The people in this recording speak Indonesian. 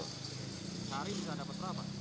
sehari bisa dapat berapa